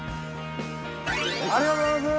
ありがとうございます！